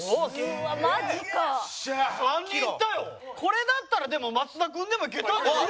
これだったら松田君でもいけたんじゃない？